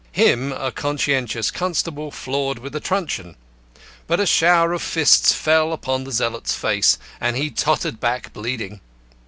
Him a conscientious constable floored with a truncheon. But a shower of fists fell on the zealot's face, and he tottered back bleeding.